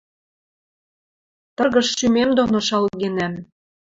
Тыргыж шӱмем доно шалгенӓм